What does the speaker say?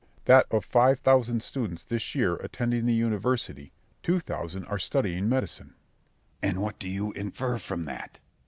Berg. That of five thousand students this year attending the university—two thousand are studying medicine. Scip. And what do you infer from that?